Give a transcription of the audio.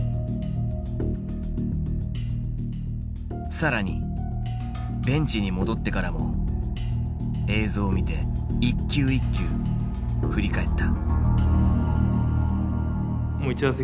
更にベンチに戻ってからも映像を見て一球一球振り返った。